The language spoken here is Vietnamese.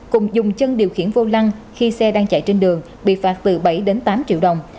cùng dùng chân điều khiển vô lăng khi xe đang chạy trên đường bị phạt từ bảy tám triệu đồng